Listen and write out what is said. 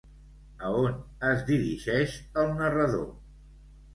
A on es dirigeix el narrador?